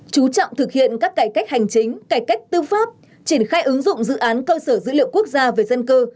chú trọng thực hiện các cải cách hành chính cải cách tư pháp triển khai ứng dụng dự án cơ sở dữ liệu quốc gia về dân cư